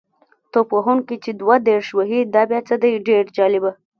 توپ وهونکی چې دوه دېرش وهي دا بیا څه دی؟ ډېر جالبه.